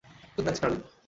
Good night darling.